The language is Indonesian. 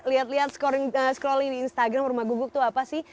lihat lihat scrolling di instagram rumah gubuk tuh apa sih